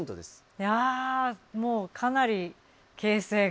いやもうかなり形勢が。